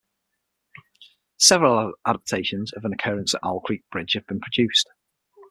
Several adaptations of "An Occurrence at Owl Creek Bridge" have been produced.